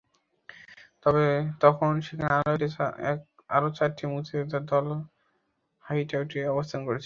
তখন সেখানে আরও চারটি মুক্তিযোদ্ধার দল হাইড আউটে অবস্থান করছিল।